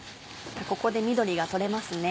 ここで緑が取れますね。